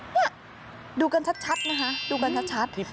นี่ดูกันชัดนะคะดูกันชัด